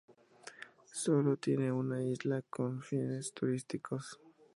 Sólo tiene una isla con fines turísticos.